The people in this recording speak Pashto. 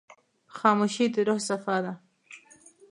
خاموشي، د روح صفا ده.